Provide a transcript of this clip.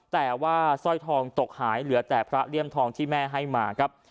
แต่ว่าสร้อยทองตกหายเหลือแต่พระเลี่ยมทองที่แม่ให้มาครับ